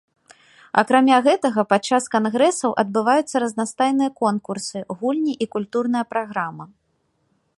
Акрамя гэтага падчас кангрэсаў адбываюцца разнастайныя конкурсы, гульні і культурная праграма.